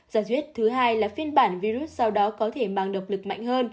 giải thuyết thứ hai là phiên bản virus sau đó có thể mang độc lực mạnh hơn